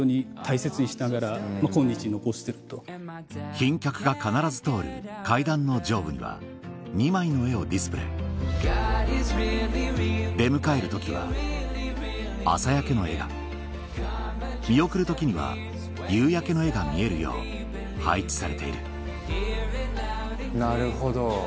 賓客が必ず通る階段の上部には２枚の絵をディスプレー出迎える時は朝焼けの絵が見送る時には夕焼けの絵が見えるよう配置されているなるほど。